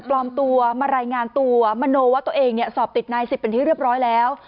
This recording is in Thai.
ปลอมตัวมารายงานตัวมโนว่าตัวเองเนี่ยสอบติดนายสิบเป็นที่เรียบร้อยแล้ว